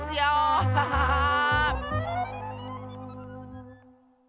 アハハハー！